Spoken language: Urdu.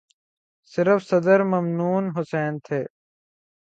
صرف صدر ممنون حسین تھے۔